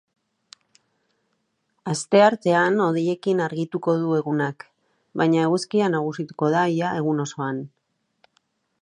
Asteartean hodeiekin argituko du egunak, baina eguzkia nagusituko da ia egun osoan.